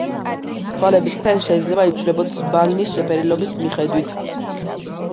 თვალების ფერი შეიძლება იცვლებოდეს ბალნის შეფერილობის მიხედვით.